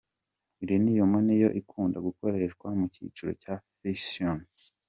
Uranium niyo ikunda gukoreshwa mu cyiciro cya Fission.